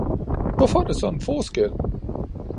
Hvorfor da sådan forskel!